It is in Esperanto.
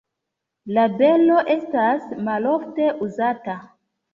La belo estas malofte uzata.